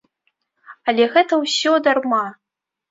Але гэта ўсё дарма!